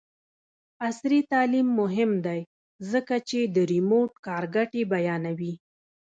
عصري تعلیم مهم دی ځکه چې د ریموټ کار ګټې بیانوي.